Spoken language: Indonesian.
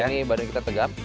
ini badan kita tegap